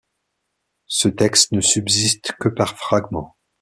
Ce texte ne subsiste que par fragments.